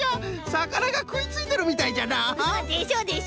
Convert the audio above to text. さかながくいついてるみたいじゃな。でしょ？でしょ？